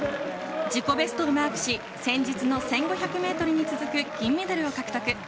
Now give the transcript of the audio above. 自己ベストをマークし、先日の１５００メートルに続く銀メダルを獲得。